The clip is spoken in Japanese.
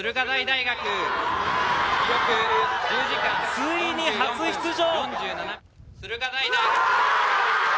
ついに初出場。